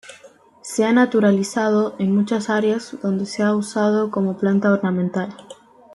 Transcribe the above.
Se ha naturalizado en muchas áreas donde se ha usado como planta ornamental.